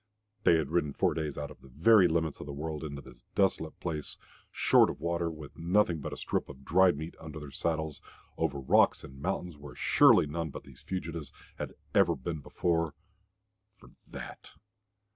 They had ridden four days out of the very limits of the world into this desolate place, short of water, with nothing but a strip of dried meat under their saddles, over rocks and mountains, where surely none but these fugitives had ever been before for THAT!